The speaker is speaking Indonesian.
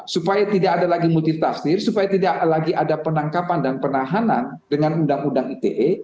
supaya tidak ada lagi multitafsir supaya tidak lagi ada penangkapan dan penahanan dengan undang undang ite